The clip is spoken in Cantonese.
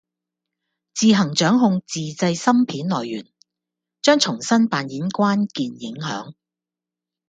自行掌控自制芯片來源，將重新扮演關鍵影響。